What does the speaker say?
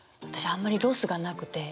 あんまりロスがなくて。